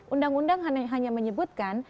undang undang hanya menyebutkan